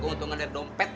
gue untung ngeliat dompet